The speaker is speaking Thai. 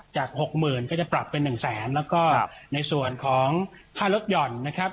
หกหมื่นก็จะปรับเป็น๑แสนแล้วก็ในส่วนของค่ารถหย่อนนะครับ